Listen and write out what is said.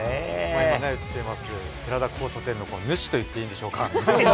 今ね、映っています、寺田交差点の主と言っていいんでしょうか。